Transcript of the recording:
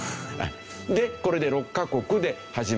でこれで６カ国で始まった。